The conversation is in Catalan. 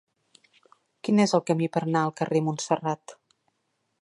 Quin és el camí per anar al carrer Montserrat?